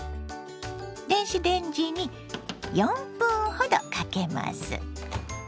電子レンジに４分ほどかけます。